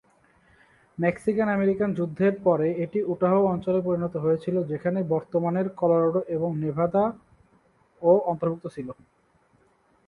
Mexican-American যুদ্ধের পরে, এটি উটাহ অঞ্চলে পরিণত হয়েছিল, যেখানে বর্তমানের কলোরাডো এবং নেভাদা ও অন্তর্ভুক্ত ছিল।